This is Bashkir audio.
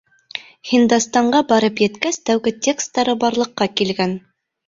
Һиндостанға барып еткәс, тәүге текстары барлыҡҡа килгән.